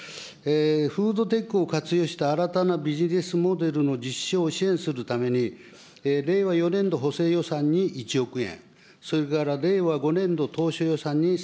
フードテックを活用した新たなビジネスモデルの実施を支援するために、令和４年度補正予算に１億円、